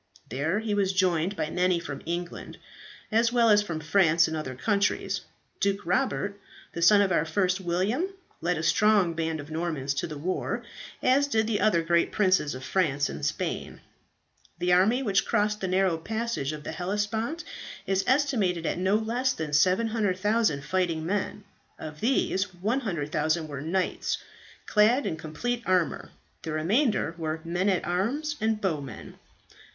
There he was joined by many from England, as well as from France and other countries. Duke Robert, the son of our first William, led a strong band of Normans to the war, as did the other great princes of France and Spain. "The army which crossed the narrow passage of the Hellespont is estimated at no less than 700,000 fighting men. Of these 100,000 were knights clad in complete armour, the remainder were men at arms and bowmen.